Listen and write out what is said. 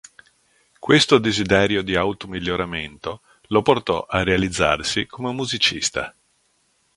Questo desiderio di auto-miglioramento lo portò a realizzarsi come musicista.